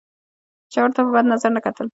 چا ورته په بد نظر نه کتل.